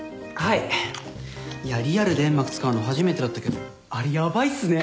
いやリアルで煙幕使うの初めてだったけどあれヤバいっすね。